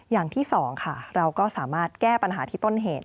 อย่างที่๒ค่ะเราก็สามารถแก้ปัญหาที่ต้นเหตุ